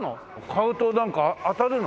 買うとなんか当たるの？